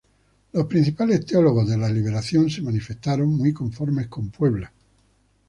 Los principales teólogos de la liberación se manifestaron muy conformes con Puebla.